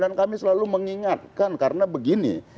dan kami selalu mengingatkan karena begini